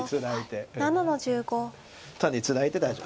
単にツナいで大丈夫。